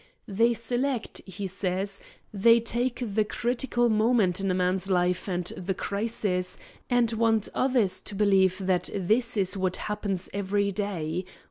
They select, he says they take the critical moment in a man's life and the crises, and want others to believe that that is what happens every day.